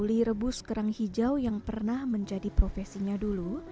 guli rebus kerang hijau yang pernah menjadi profesinya dulu